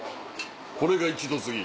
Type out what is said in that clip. これが「一度つぎ」。